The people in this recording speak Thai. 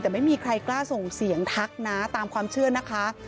แต่ไม่มีใครกล้าส่งเสียงทักนะตามความเชื่อนะคะ